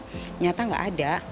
ternyata tidak ada